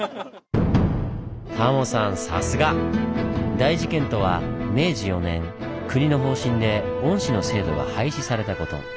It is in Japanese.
大事件とは明治４年国の方針で御師の制度が廃止されたこと。